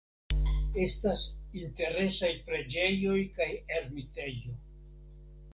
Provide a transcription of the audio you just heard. Estas interesaj preĝejoj kaj ermitejo.